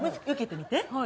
受けてみて。